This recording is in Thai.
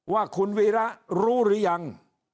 ว่าคุณวีระรู้หรือยัง